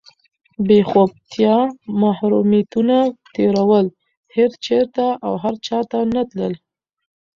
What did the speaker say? بېخوبتیا، محرومیتونه تېرول، هېر چېرته او هر چاته نه تلل،